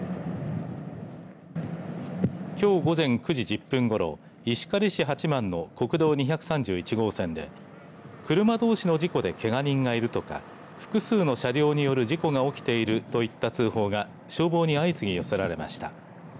きょう午前９時１０分ごろ石狩市八幡の国道２３１号線で車どうしの事故でけが人がいるとか複数の車両による事故が起きているといった通報が消防に相次ぎ寄せられました。